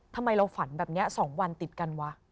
ทำไมเราฝันแบบนี้๒วันติดกันวะ